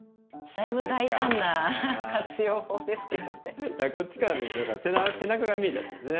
だからこっちから見ると背中が見えちゃってるんですね。